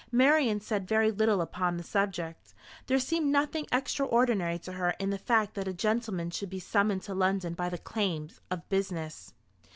Marian said very little upon the subject. There seemed nothing extraordinary to her in the fact that a gentleman should be summoned to London by the claims of business.